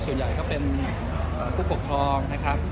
ส่วนใหญ่ก็เป็นผู้ปกครองนะครับ